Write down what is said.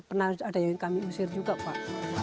pernah ada yang kami usir juga pak